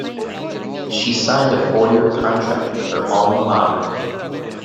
She signed a four-year contract with her alma mater.